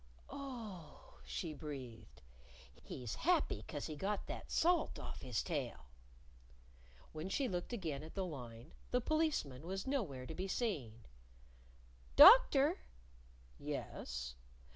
"Oh!" she breathed. "He's happy 'cause he got that salt off his tail." When she looked again at the line, the Policeman was nowhere to be seen. "Doctor!" "Yes."